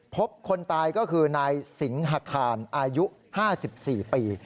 คนตายก็คือนายสิงหคารอายุ๕๔ปี